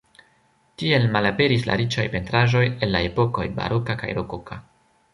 Tiel malaperis la riĉaj pentraĵoj el la epokoj baroka kaj rokoka.